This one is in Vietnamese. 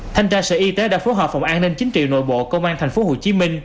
thanh tra sở y tế đã phối hợp phòng an ninh chính trị nội bộ công an tp hcm